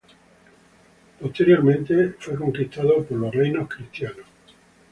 Posteriormente fue conquistado por los reinos cristianos.